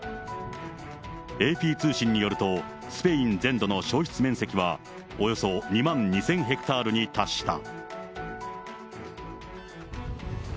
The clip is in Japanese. ＡＰ通信によると、スペイン全土の焼失面積は、およそ２万２０００ヘクタールに達した。